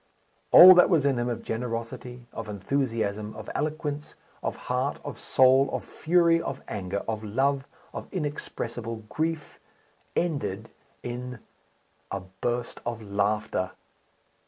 All that was in him of generosity, of enthusiasm, of eloquence, of heart, of soul, of fury, of anger, of love, of inexpressible grief, ended in a burst of laughter!